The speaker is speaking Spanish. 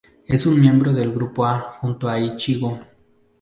Es un miembro del grupo A, junto a Ichigo.